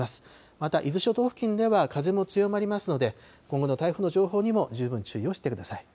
また、伊豆諸島付近では風も強まりますので、今後の台風の情報にも十分注意をしてください。